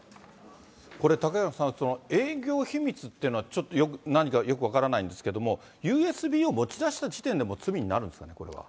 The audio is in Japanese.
これ、嵩原さん、営業秘密っていうのは、ちょっと何かよく分からないんだけど、ＵＳＢを持ち出した時点で、もう罪になるんですか、これは。